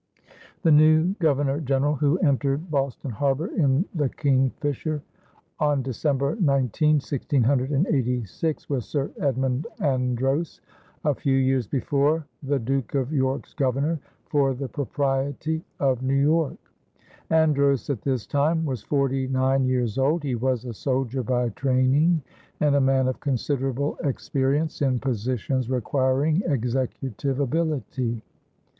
The new Governor General, who entered Boston harbor in the Kingfisher on December 19, 1686, was Sir Edmund Andros, a few years before the Duke of York's Governor for the propriety of New York. Andros at this time was forty nine years old; he was a soldier by training and a man of considerable experience in positions requiring executive ability.